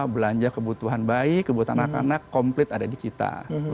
belanja kebutuhan bayi kebutuhan anak anak komplit ada di kita